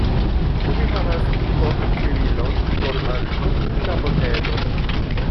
Ĉu vi havas korktirilon, por malŝtopi la botelon?